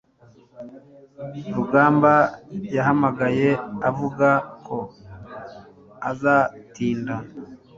rugamba yahamagaye avuga ko azatinda